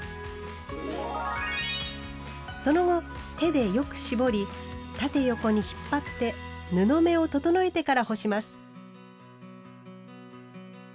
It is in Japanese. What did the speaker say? その後手でよく絞り縦横に引っ張って布目を整えてから干します。